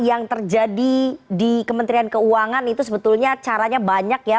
yang terjadi di kementerian keuangan itu sebetulnya caranya banyak ya